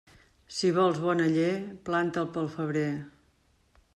Si vols bon aller, planta'l pel febrer.